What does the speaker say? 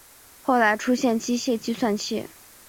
后来出现机械计算器。